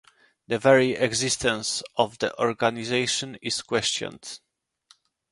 The very existence of the organization is questioned.